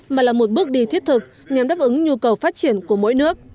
mà là một bước đi thiết thực nhằm đáp ứng nhu cầu phát triển của mỗi nước